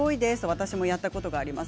私もやったことがあります。